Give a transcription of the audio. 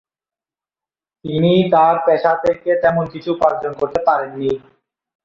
তিনি তার পেশা থেকে তেমন কিছু উপার্জন করতে পারেননি।